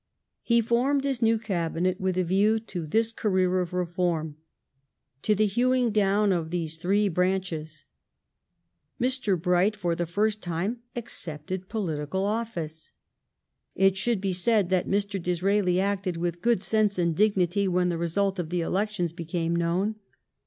He formed his new Cabinet with a view to this career of reform — to the hew ing down of these three branches. Mr. Bright, for the first time, accepted political office. It should be said that Mr. Disraeli acted with good sense and dignity when the result of the elections became known.